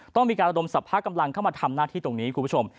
ต้องมีการระดมสรรพากำลังเข้ามาทำหน้าที่ตรงนี้คุณผู้ชม